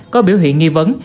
có biểu hiện nghi vấn